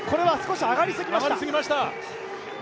上がりすぎました。